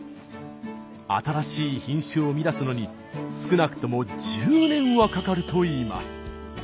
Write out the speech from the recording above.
新しい品種を生み出すのに少なくとも１０年はかかるといいます。